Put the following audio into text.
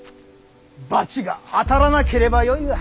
罰が当たらなければよいが。